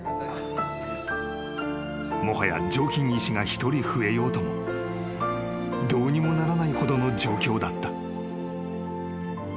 ［もはや常勤医師が一人増えようともどうにもならないほどの状況だった］